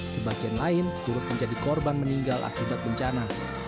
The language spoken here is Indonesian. sebagian lain turut menjadi korban meninggal akibat bencana